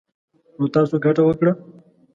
نـو تـاسو ګـټـه وكړه.